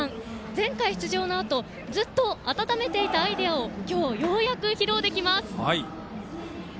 前回出場のあとずっと温めていたアイデアを今日、ようやく披露できます。